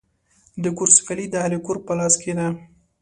د کور سوکالي د اهلِ کور په لاس کې ده.